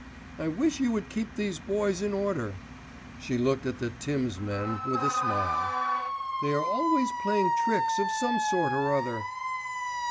I wish you would keep these boys in order." She looked at the "Tim's" men with a smile. "They are always playing tricks of some sort or other."